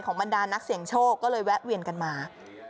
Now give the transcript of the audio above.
บรรดานักเสี่ยงโชคก็เลยแวะเวียนกันมา